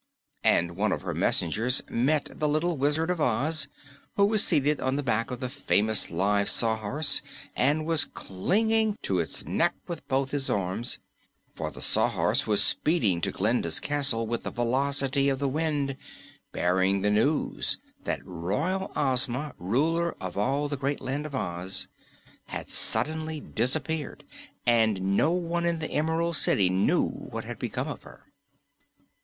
And one of her messengers met the little Wizard of Oz, who was seated on the back of the famous live Sawhorse and was clinging to its neck with both his arms, for the Sawhorse was speeding to Glinda's castle with the velocity of the wind, bearing the news that Royal Ozma, Ruler of all the great Land of Oz, had suddenly disappeared and no one in the Emerald City knew what had become of her.